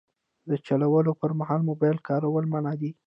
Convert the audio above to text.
د چلولو پر مهال موبایل کارول منع دي.